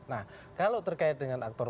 nah kalau terkait dengan aktor